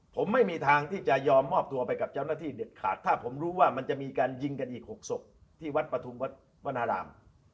ผมไม่มีทางที่จะยอมมอบตัวไปกับเจ้าหน้าที่เด็ดขาดถ้าผมรู้ว่ามันจะมีการยิงกันอีก๖ศพที่วัดปฐุมวนาราม